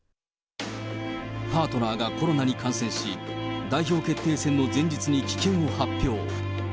パートナーがコロナに感染し、代表決定戦の前日に棄権を発表。